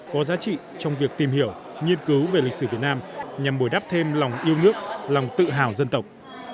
có giá trị trong việc tìm hiểu nghiên cứu về lịch sử việt nam nhằm bồi đắp thêm lòng yêu nước lòng tự hào dân tộc